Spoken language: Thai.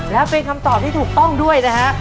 และเป็นคำตอบที่ถูกต้องด้วยนะฮะ